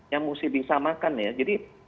yang mesti disamakan ya jadi